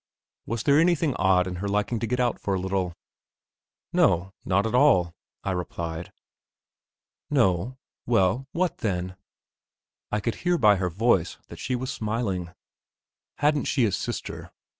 Was there anything odd in her liking to get out for a little? "No, not at all," I replied. "No? well, what then?" I could hear by her voice that she was smiling. Hadn't she a sister?